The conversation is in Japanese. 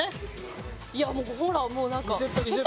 いやほらもうなんか。